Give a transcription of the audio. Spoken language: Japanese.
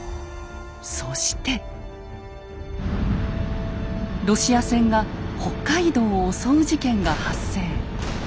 そしてロシア船が北海道を襲う事件が発生。